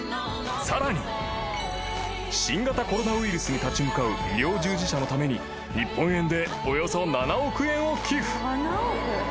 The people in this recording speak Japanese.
［さらに新型コロナウイルスに立ち向かう医療従事者のために日本円でおよそ７億円を寄付］